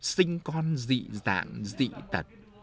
sinh con dị dạng dị tật